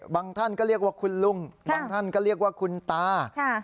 ท่านก็เรียกว่าคุณลุงบางท่านก็เรียกว่าคุณตา